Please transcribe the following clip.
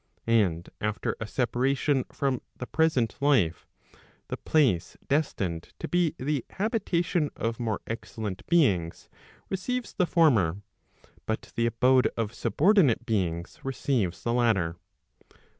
And after a separation from the present life, the place destined to be the habitation of more excellent beings receives the former, but the abode of subordinate beings receives the latter.